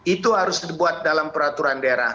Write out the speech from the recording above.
itu harus dibuat dalam peraturan daerah